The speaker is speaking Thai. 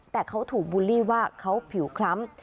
แต่เขาถูกบูลลี่ว่าเขาผิวคล้ำ